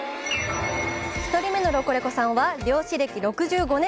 １人目のロコレコさんは漁師歴６５年！